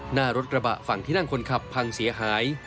หน้ารถกระบะฝั่งที่นั่งคนขับพังเสียหาย